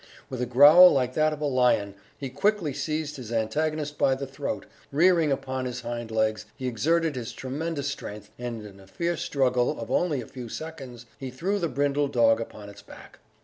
With a growl like that of a lion, he quickly seized his antagonist by the throat; rearing upon his hind legs, he exerted his tremendous strength, and in a fierce struggle of only a few seconds, he threw the brindled dog upon its back.